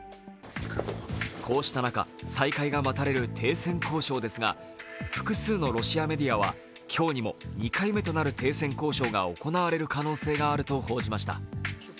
こうした中再開が待たれる停戦交渉ですが複数のロシアメディアは今日にも２回目となる停戦交渉が行われる可能性があると報じました。